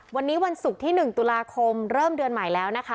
วันนี้วันศุกร์ที่๑ตุลาคมเริ่มเดือนใหม่แล้วนะคะ